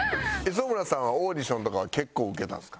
磯村さんはオーディションとかは結構受けたんですか？